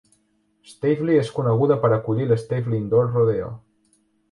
Stavely és coneguda per acollir l'Stavely Indoor Rodeo.